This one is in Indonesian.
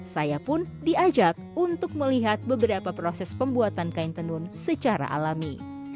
saya pun diajak untuk melihat beberapa proses pembuatan kain tenun secara alami